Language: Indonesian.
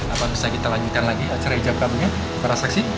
apa bisa kita lanjutkan lagi acara hijab kami para saksi